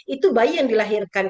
itu bayi yang dilahirkan